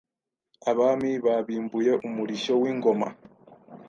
Abami babimbuye umurishyo wingoma